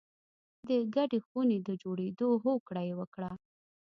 د ګډې خونې د جوړېدو هوکړه یې وکړه